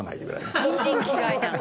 「ニンジン嫌いなの？」